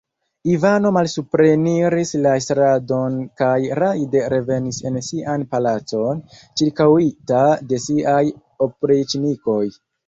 Ivano malsupreniris la estradon kaj rajde revenis en sian palacon, ĉirkaŭita de siaj opriĉnikoj.